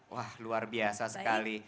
wah luar biasa sekali